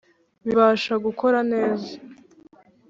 bibasha gukora neza .